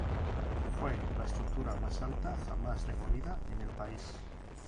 Fue la estructura más alta jamás demolida en el país.